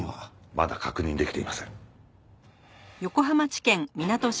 まだ確認できていません。